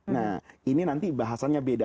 nah ini nanti bahasannya beda